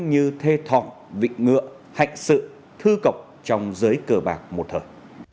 như thê thọng vịnh ngựa hạnh sự thư cộc trong giới cờ bạc một thời